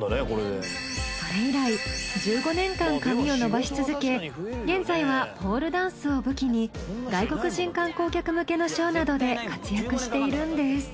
それ以来１５年間髪を伸ばし続け現在はポールダンスを武器に外国人観光客向けのショーなどで活躍しているんです。